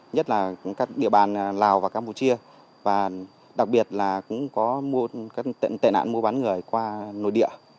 nhất là các địa bàn lào và campuchia và đặc biệt là cũng có các tệ nạn mua bán người qua nội địa